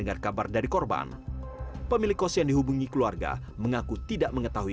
nah ternyata ya kita nggak tahu